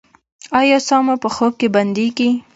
ایا ساه مو په خوب کې بندیږي؟